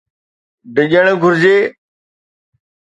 ڊڄڻ گهرجي.